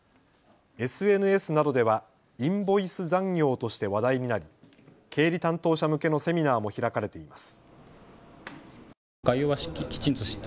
ＳＮＳなどではインボイス残業として話題になり経理担当者向けのセミナーも開かれています。